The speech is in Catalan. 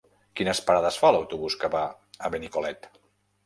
Quines parades fa l'autobús que va a Benicolet?